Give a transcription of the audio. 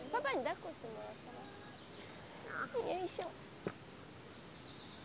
よいしょ。